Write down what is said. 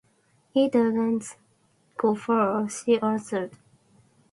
“It doesn’t go far,” she answered.